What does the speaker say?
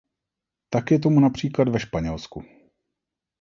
Tak je tomu například ve Španělsku.